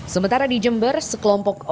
sementara di jember sekelompok orang